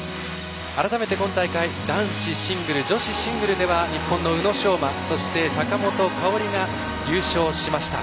改めて今大会男子シングル、女子シングルでは日本の宇野昌磨そして、坂本花織が優勝しました。